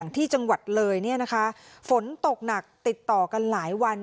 ที่จังหวัดเลยเนี่ยนะคะฝนตกหนักติดต่อกันหลายวัน